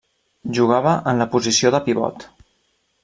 Jugava en la posició de pivot.